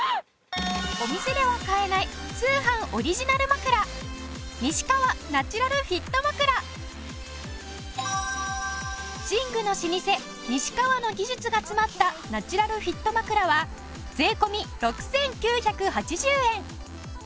お店では買えない寝具の老舗西川の技術が詰まったナチュラルフィット枕は税込６９８０円。